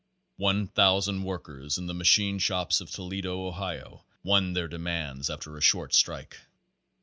One thousand workers in the machine shops of To ledo, Ohio, won their demands after a short strike.